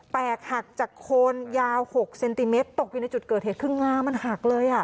แตกหักจากโคนยาว๖เซนติเมตรตกอยู่ในจุดเกิดเหตุคืองามันหักเลย